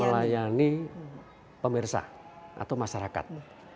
melayani pemirsa atau masyarakat